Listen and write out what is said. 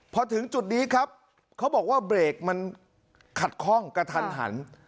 พอถึงจุดนี้ครับเขาบอกว่าเบรกมันขัดข้องกระทันหัน